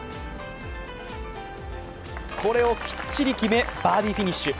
これをきっちり決めバーディーフィニッシュ。